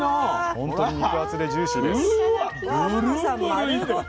本当に肉厚でジューシーです。